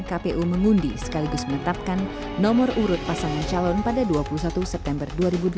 kpu mengundi sekaligus menetapkan nomor urut pasangan calon pada dua puluh satu september dua ribu delapan belas